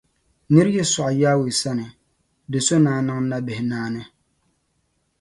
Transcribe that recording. Nir’ yi sɔɣi Yawɛ sani, di so ni a niŋ nabihi naani.